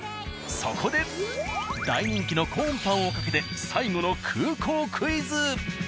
そこで大人気のコーンぱんをかけて最後の空港クイズ。